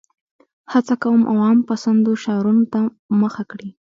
هڅه کوي عوام پسندو شعارونو ته مخه کړي.